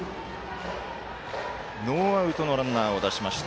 ノーアウトのランナーを出しました。